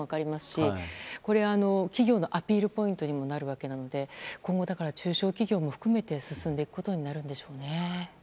しこれは企業のアピールポイントにもなるわけで今後、中小企業も含めて進んでいくことになるでしょうね。